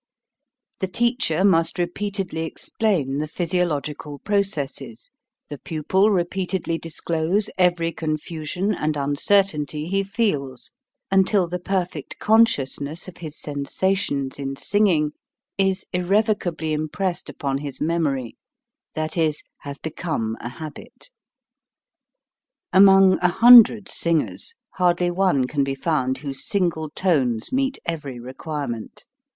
The teacher must repeatedly explain the physiological processes, the pupil repeatedly disclose every confusion and uncertainty he feels, until the perfect consciousness of his sensations in singing is irrevocably impressed upon his memory, that is, has become a habit. Among a hundred singers hardly one can be found whose single tones meet every re quirement.